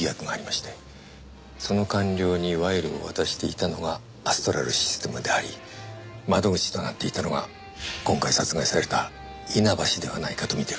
その官僚に賄賂を渡していたのがアストラルシステムであり窓口となっていたのが今回殺害された稲葉氏ではないかと見てるんです。